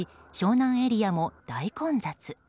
湘南エリアも大混雑。